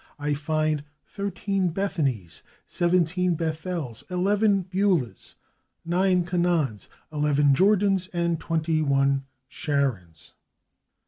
I find thirteen /Bethanys/, seventeen /Bethels/, eleven /Beulahs/, nine /Canaans/, eleven /Jordans/ and twenty one /Sharons